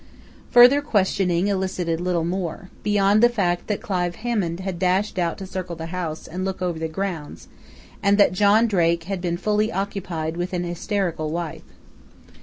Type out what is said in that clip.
Further questioning elicited little more, beyond the fact that Clive Hammond had dashed out to circle the house and look over the grounds, and that John Drake had been fully occupied with an hysterical wife.